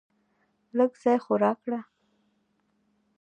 لږ ځای خو راکړه .